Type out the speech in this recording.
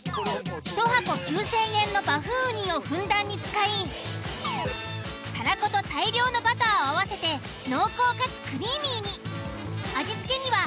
１箱９、０００円のバフンウニをふんだんに使いたらこと大量のバターを合わせて濃厚かつクリーミーに。